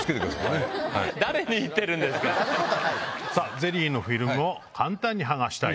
ゼリーのフィルムを簡単に剥がしたい。